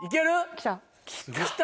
来た？